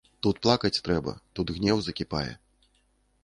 Тут плакаць трэба, тут гнеў закіпае.